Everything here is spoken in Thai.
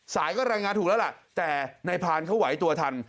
สายก็รายงานถูกแล้วล่ะแต่นายพานเขาไหวตัวทัน